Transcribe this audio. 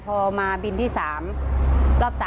พอคนมาตะวันตามอีกตะวันที่๓